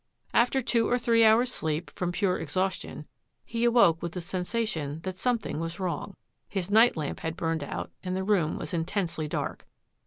After two or three hours' sleep from pure ex haustion, he awoke with the sensation that some thing was wrong. His night lamp had burned out and the room was intensely dark.